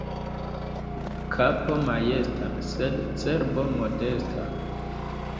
Kapo majesta, sed cerbo modesta.